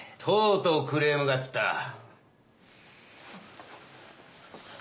とうとうクレームが来た。